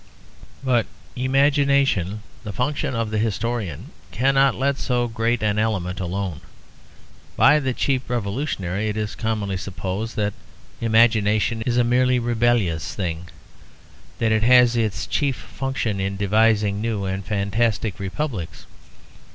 But imagination, the function of the historian, cannot let so great an element alone. By the cheap revolutionary it is commonly supposed that imagination is a merely rebellious thing, that it has its chief function in devising new and fantastic republics.